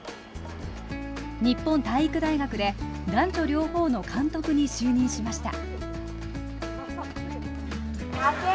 日本体育大学で男女両方の監督に就任しました。